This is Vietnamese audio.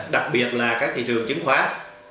đặc biệt là các thị trường chứng khoán